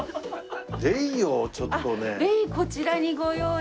こちらにご用意。